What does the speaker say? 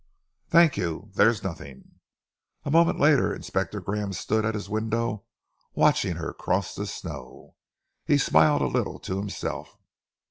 "Thank you! There is nothing." A moment later, Inspector Graham stood at his window watching her cross the snow. He smiled a little to himself.